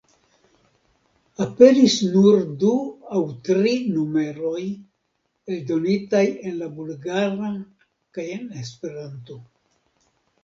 Aperis nur du aŭ tri numeroj eldonitaj en la Bulgara kaj en Esperanto.